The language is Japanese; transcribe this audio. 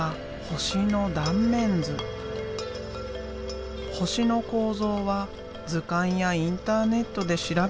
星の構造は図鑑やインターネットで調べたのだという。